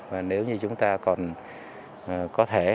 và nếu như chúng ta còn có thể